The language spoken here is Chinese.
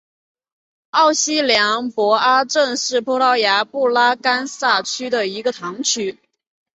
奥西良博阿镇是葡萄牙布拉干萨区的一个堂区。